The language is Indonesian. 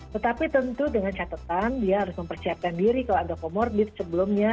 tetapi tentu dengan catatan dia harus mempersiapkan diri kalau ada comorbid sebelumnya